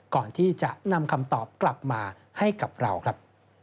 ก่อนที่จะนำคำตอบกลับมาให้กับเราครับ